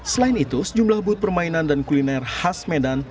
selain itu sejumlah boot permainan dan kuliner khas medan